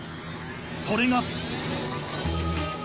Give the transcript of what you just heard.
それが